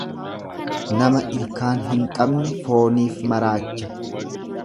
Nama ilkaan hin qabne fooniif maraacha.